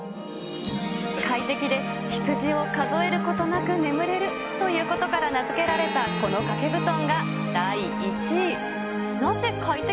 快適でヒツジを数えることなく眠れるということから名付けられたこの掛け布団が、第１位。